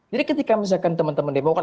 jadi ketika misalkan teman teman demokrat